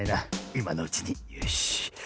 いまのうちによし。